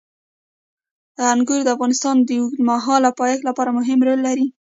انګور د افغانستان د اوږدمهاله پایښت لپاره مهم رول لري.